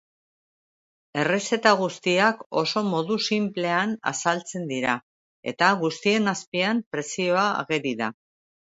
Errezeta guztiak oso modu sinplean azaltzen dira eta guztien azpian prezioa ageri da.